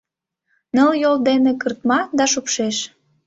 Ныл йол дене кыртма да шупшеш.